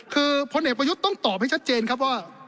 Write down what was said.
คือพลเอกประยุทธ์ต้องตอบให้ชัดเจนครับว่า